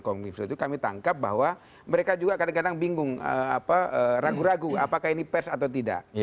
kominfo itu kami tangkap bahwa mereka juga kadang kadang bingung ragu ragu apakah ini pers atau tidak